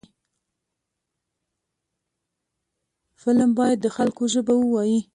فلم باید د خلکو ژبه ووايي